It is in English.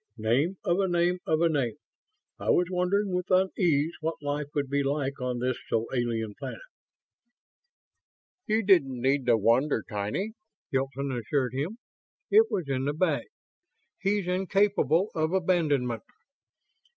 Name of a name of a name! I was wondering with unease what life would be like on this so alien planet!" "You didn't need to wonder, Tiny," Hilton assured him. "It was in the bag. He's incapable of abandonment."